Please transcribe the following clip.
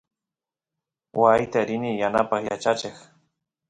waayta rini yanapaq yachacheq